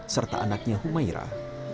serta anaknya humairah